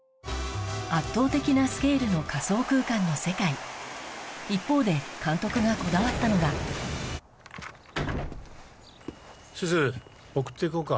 圧倒的なスケールの仮想空間の世界一方で監督がこだわったのがすず送って行こうか。